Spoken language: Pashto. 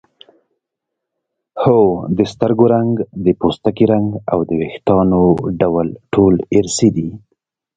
هو د سترګو رنګ د پوستکي رنګ او د وېښتانو ډول ټول ارثي دي